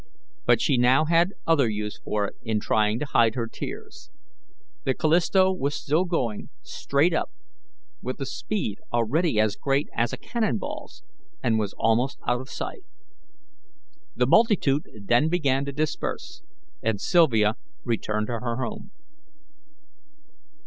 But she now had other use for it in trying to hide her tears. The Callisto was still going straight up, with a speed already as great as a cannon ball's, and was almost out of sight. The multitude then began to disperse, and Sylvia returned to her home.